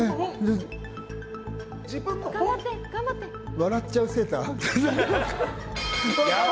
笑っちゃうセーター。